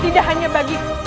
tidak hanya bagiku